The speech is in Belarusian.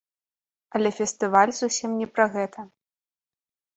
Але фестываль зусім не пра гэта.